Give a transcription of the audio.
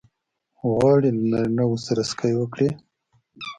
غواړې له نارینه وو سره سکی وکړې؟